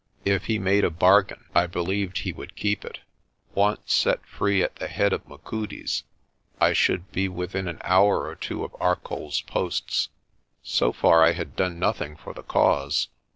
If he made a bargain, I believed he would keep it. Once set free at the head of Machudi's, I should be within an hour or two of Arcoll's posts. So far, I had done nothing for the cause.